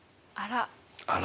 あら。